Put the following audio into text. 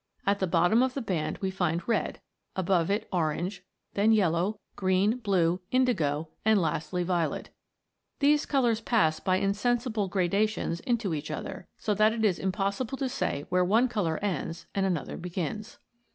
At the bottom of the band we find red, above it orange, then yellow, green, blue, indigo, and lastly violet. These co lours pass by insensible gradations into each other, so that it is impossible to say where one colour ends and another begins.